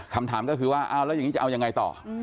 คำถามก็คือว่าเอาแล้วอย่างนี้จะเอายังไงต่อ